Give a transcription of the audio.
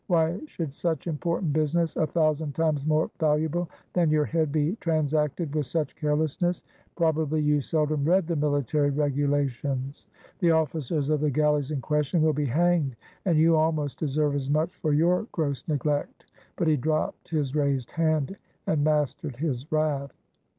Why should such important business, a thousand times more valu able than your head, be transacted with such careless ness? Probably you seldom read the Military Regula tions. The officers of the galleys in question will be hanged, and you almost deserve as much for your gross neglect." But he dropped his raised hand and mastered his wrath.